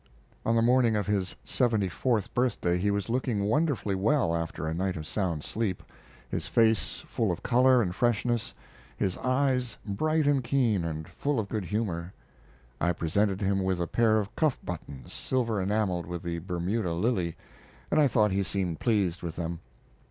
On the morning of his seventy fourth birthday he was looking wonderfully well after a night of sound sleep, his face full of color and freshness, his eyes bright and keen and full of good humor. I presented him with a pair of cuff buttons silver enameled with the Bermuda lily, and I thought he seemed pleased with them.